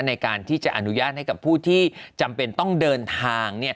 ในการที่จะอนุญาตให้กับผู้ที่จำเป็นต้องเดินทางเนี่ย